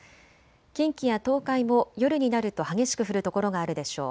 近畿や東海も夜になると激しく降る所があるでしょう。